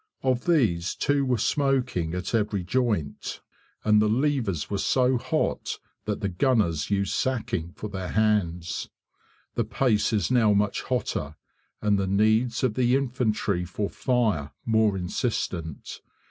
Of these two were smoking at every joint, and the levers were so hot that the gunners used sacking for their hands. The pace is now much hotter, and the needs of the infantry for fire more insistent.